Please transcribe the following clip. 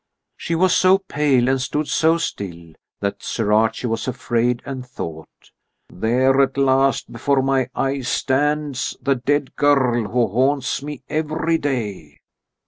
She was so pale and stood so still that Sir Archie was afraid and thought: "There at last before my eyes stands the dead girl who haunts me every day."